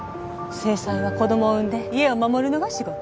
正妻は子供を産んで家を守るのが仕事。